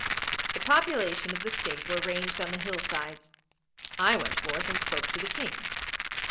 The population of the State were ranged on the hillsides. I went forth and spoke to the King.